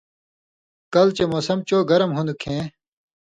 کلہۡ چے موسم چو گرم ہُون٘دوۡ کھیں